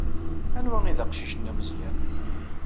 Anwa ay d aqcic-nni ameẓyan?